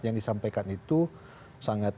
yang disampaikan itu sangat